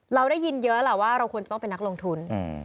เราได้ยินเยอะแหละว่าเราควรจะต้องเป็นนักลงทุน